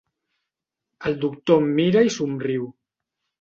El doctor em mira i somriu.